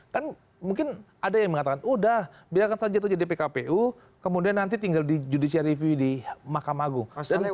kan mungkin ada yang mengatakan udah biarkan saja itu jadi pkpu kemudian nanti tinggal di judicial review di mahkamah agung